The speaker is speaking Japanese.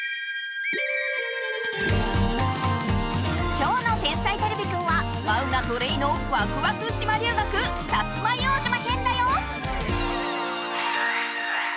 今日の「天才てれびくん」はマウナとレイの「わくわく島留学薩摩硫黄島」編だよ！